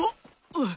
ああ。